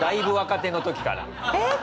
えっ！